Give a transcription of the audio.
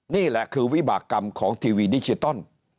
นี่แหละคือวิบากรรมของทีวีดิจิตอล